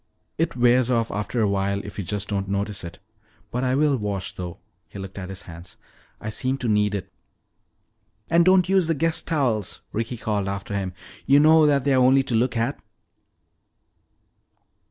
"It wears off after a while if you just don't notice it. But I will wash though," he looked at his hands, "I seem to need it." "And don't use the guest towels," Ricky called after him. "You know that they're only to look at."